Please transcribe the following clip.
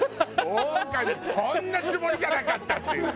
オオカミこんなつもりじゃなかったっていうね。